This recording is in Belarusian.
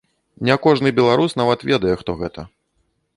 Не кожны беларус нават ведае, хто гэта.